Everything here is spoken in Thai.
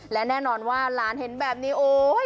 และแน่นอนว่าหลานเห็นแบบนี้โอ๊ย